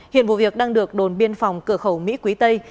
hiện vụ việc đang được đồn biên phòng cửa khẩu mỹ quý tây